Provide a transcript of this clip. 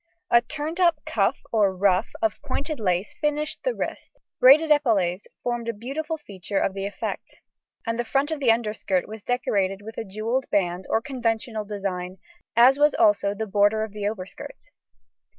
A turned up cuff or ruff of pointed lace finished the wrist, braided epaulets formed a beautiful feature of the effect, and the front of the underskirt was decorated with a jewelled band or conventional design, as was also the border of the overskirt.